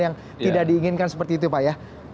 yang tidak diinginkan seperti itu pak ya